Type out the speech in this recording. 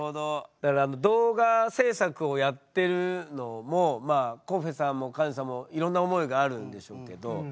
だからあの動画制作をやってるのもまあコッフェさんもカネさんもいろんな思いがあるんでしょうけど。